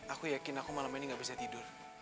aku yakin aku malam ini gak bisa tidur